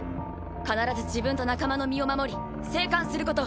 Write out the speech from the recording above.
必ず自分と仲間の身を守り生還すること。